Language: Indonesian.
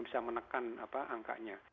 bisa menekan angkanya